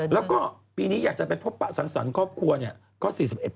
แล้วก็ปีนี้อยากจะไปพบปะสังสรรค์ครอบครัวเนี่ยก็๔๑